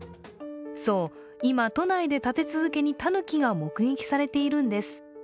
そう、今、都内で立て続けにたぬきが目撃されているんです。